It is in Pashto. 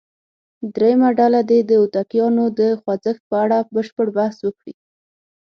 درېمه ډله دې د هوتکیانو د خوځښت په اړه بشپړ بحث وکړي.